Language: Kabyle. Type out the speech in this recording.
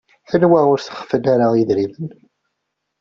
Anwa ur sexfen ara yedrimen?